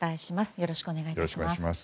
よろしくお願いします。